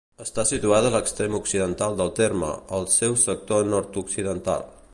Està situada a l'extrem occidental del terme, al seu sector nord-occidental.